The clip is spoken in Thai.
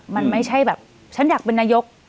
มันไม่ใช่แบบฉันอยากเป็นนายก